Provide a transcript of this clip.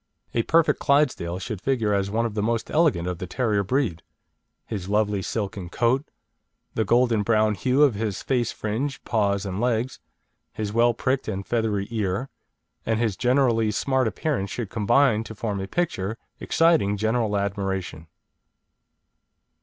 A perfect Clydesdale should figure as one of the most elegant of the terrier breed; his lovely silken coat, the golden brown hue of his face fringe, paws and legs, his well pricked and feathery ear, and his generally smart appearance should combine to form a picture exciting general admiration.